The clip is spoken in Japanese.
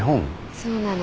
そうなの。